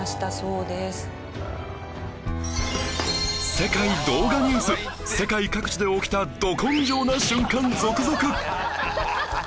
『世界動画ニュース』世界各地で起きたド根性な瞬間続々！